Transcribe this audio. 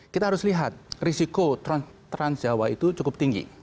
kita harus lihat risiko trans jawa itu cukup tinggi